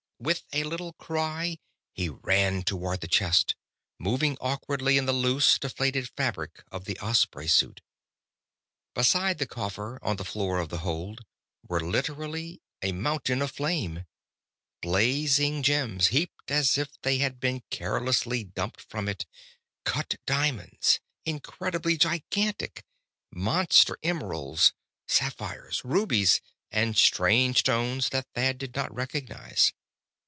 With a little cry, he ran toward the chest, moving awkwardly in the loose, deflated fabric of the Osprey suit. Beside the coffer, on the floor of the hold, was literally a mountain of flame blazing gems, heaped as if they had been carelessly dumped from it; cut diamonds, incredibly gigantic; monster emeralds, sapphires, rubies; and strange stones, that Thad did not recognize.